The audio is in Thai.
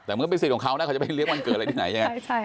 แต่มันก็เป็นสิทธิ์ของเขานะเขาจะไปเลี้ยวันเกิดอะไรที่ไหนยังไง